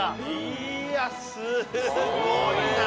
いやすごいな。